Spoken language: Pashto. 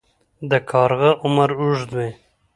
د کارغه عمر اوږد وي